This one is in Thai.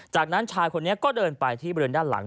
จากนั้นชายคนนี้ก็เดินไปที่บริเวณด้านหลัง